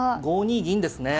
５二銀ですね。